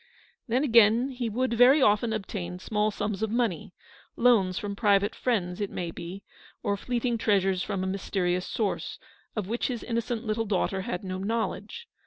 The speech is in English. Then, again, he would very often obtain small sums of money, loans from private friends, it may be, or fleeting treasures from a mysterious source, of which his innocent little daughter had no knowledge.